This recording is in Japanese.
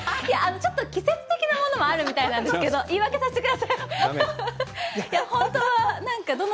ちょっと季節的なものもあるみたいなんですけど、言いわけさせてください。だめ。